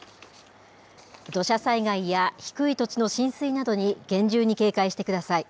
土砂災害や低い土地の浸水などに厳重に警戒してください。